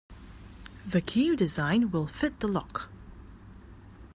The key you designed will fit the lock.